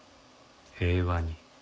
平和に。